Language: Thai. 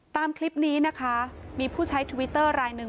ตามคลิปนี้นะคะมีผู้ใช้ทวิตเตอร์รายหนึ่ง